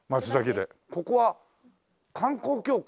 ここは観光協会？